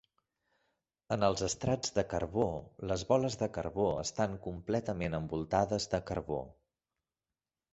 En els estrats de carbó, les boles de carbó estan completament envoltades de carbó.